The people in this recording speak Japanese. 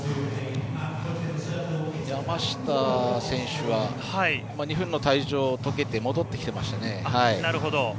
山下選手は２分の退場が解けて戻ってきてましたね。